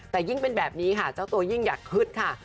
แต่ยิ่งเป็นแบบนี้ค่ะเจ้าตัวยิ่งอยากฮึดค่ะ